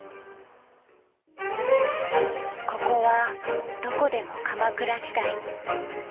ここは「どこでも鎌倉時代」。